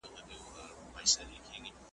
له بهرامه ښادي حرامه ,